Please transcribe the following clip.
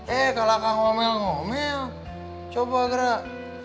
eh kalau kang ngomel ngomel coba gerak